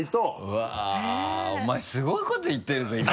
うわっお前すごいこと言ってるぞ今。